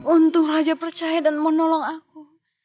untung raja percaya dan mau nolong aku